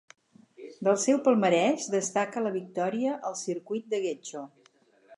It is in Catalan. Del seu palmarès destaca la victòria al Circuit de Getxo.